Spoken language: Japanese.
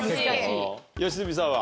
良純さんは？